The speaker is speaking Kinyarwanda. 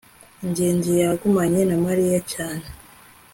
ngenzi yagumanye na mariya cyane